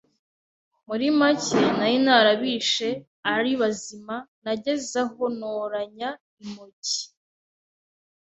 muri make nari narabishe ari bazima, nageze aho ntoranya imogi